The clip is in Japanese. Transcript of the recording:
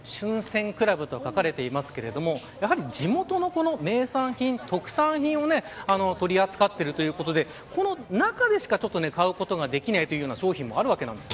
撰倶楽部と書かれていますが地元の名産品、特産品を取り扱っているということでこの中でしか買うことができない商品もあるわけなんです。